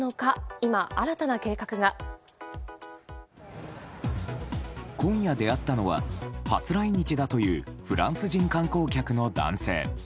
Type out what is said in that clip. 今夜出会ったのは初来日だというフランス人観光客の男性。